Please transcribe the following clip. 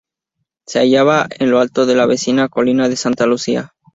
Se hallaba en lo alto de la vecina colina de Santa Lucía.